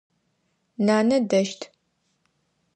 Нанэ дэщт.